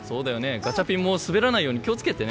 ガチャピンも滑らないように気を付けてね。